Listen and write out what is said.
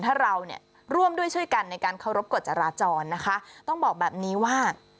ถ้าเราเนี่ยร่วมด้วยช่วยกันในการเคารพกฎจราจรนะคะต้องบอกแบบนี้ว่า